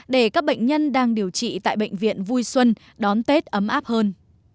để các bệnh nhân đang điều trị tại bệnh viện vui xuân đón tết ấm áp hơn